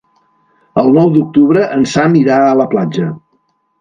El nou d'octubre en Sam irà a la platja.